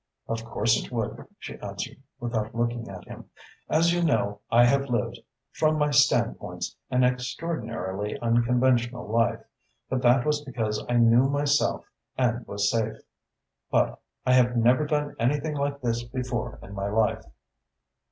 "Of course it would," she answered, without looking at him. "As you know, I have lived, from my standpoints, an extraordinarily unconventional life, but that was because I knew myself and was safe. But I have never done anything like this before in my life."